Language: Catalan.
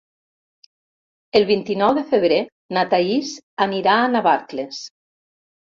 El vint-i-nou de febrer na Thaís anirà a Navarcles.